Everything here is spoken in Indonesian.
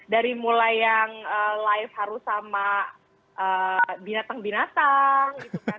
dari mulai yang live harus sama binatang binatang gitu kan